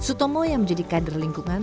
sutomo yang menjadikan lingkungan